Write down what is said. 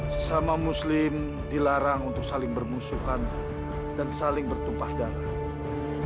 sesama muslim dilarang untuk saling bermusuhan dan saling bertumpah darah